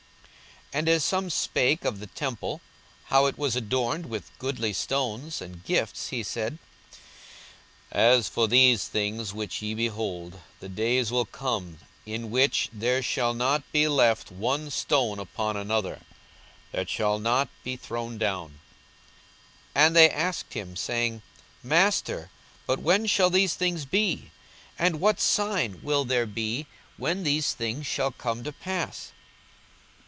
42:021:005 And as some spake of the temple, how it was adorned with goodly stones and gifts, he said, 42:021:006 As for these things which ye behold, the days will come, in the which there shall not be left one stone upon another, that shall not be thrown down. 42:021:007 And they asked him, saying, Master, but when shall these things be? and what sign will there be when these things shall come to pass?